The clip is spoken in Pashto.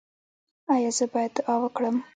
ایا زه باید دعا وکړم؟